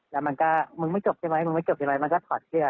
แล้วมันก็มึงไม่จบใช่ไหมมันก็ถอดเครื่อง